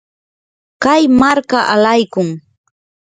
kay marka alaykun.